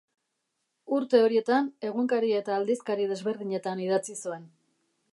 Urte horietan egunkari eta aldizkari desberdinetan idatzi zuen.